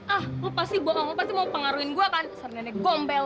ah lo pasti bohong lo pasti mau pengaruhin gue kan ser nenek gombe lo